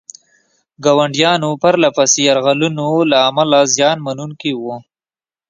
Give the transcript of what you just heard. ګاونډیانو پرله پسې یرغلونو له امله زیان منونکي وو.